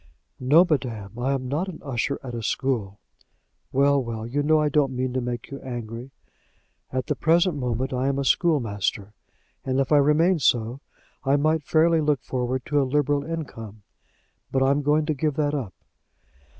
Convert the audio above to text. "No, madam, I am not an usher at a school." "Well, well, you know I don't mean to make you angry." "At the present moment, I am a schoolmaster, and if I remained so, I might fairly look forward to a liberal income. But I am going to give that up."